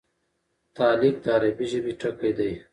تعلیق د عربي ژبي ټکی دﺉ.